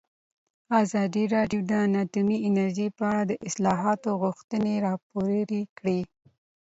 ازادي راډیو د اټومي انرژي په اړه د اصلاحاتو غوښتنې راپور کړې.